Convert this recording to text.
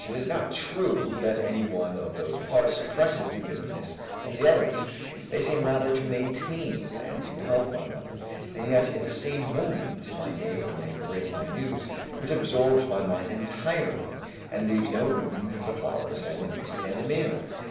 It is not true that any one of those parts suppresses the vividness of the others, they seem rather to maintain and to help one another; and yet in the next moment, my neighbor may bring me news which absorbs my mind entirely and leaves no room for the flowers and the music and the meal.